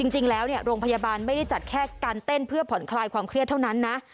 โรงพยาบาลไม่ได้จัดแค่การเต้นเพื่อผ่อนคลายความเครียดเท่านั้นนะ